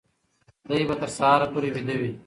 دی به تر سهاره پورې ویده وي.